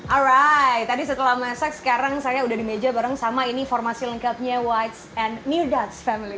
alright tadi setelah mesak sekarang saya udah di meja bareng sama ini formasi lengkapnya white's and new dots family